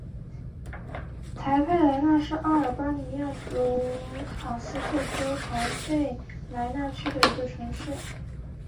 台佩莱纳是阿尔巴尼亚吉罗卡斯特州台佩莱纳区的一座城市。